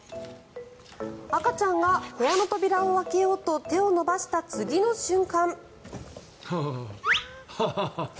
赤ちゃんが部屋の扉を開けようと手を伸ばした次の瞬間。